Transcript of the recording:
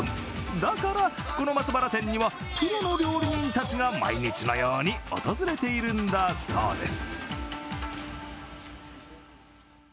だから、この松原店にはプロの料理人たちが毎日のように訪れているんだそうです。